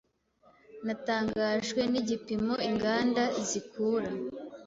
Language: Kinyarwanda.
Natangajwe nigipimo inganda zikura.